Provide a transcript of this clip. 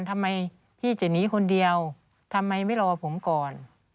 ทำไมพี่จะหนีคนเดียวทำไมไม่รอผมก่อน